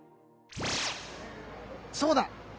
そうだ！